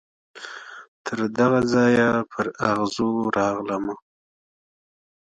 تر دغه ځایه پر اغزو راغلمه